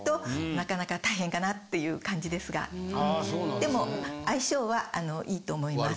でも相性はいいと思います。